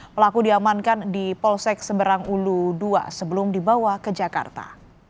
pelaku diamankan di polsek seberang ulu ii sebelum dibawa ke jakarta